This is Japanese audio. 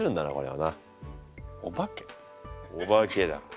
おばけだ。